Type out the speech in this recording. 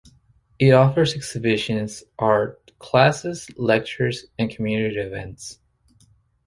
It offers exhibitions, art classes, lectures, and community events.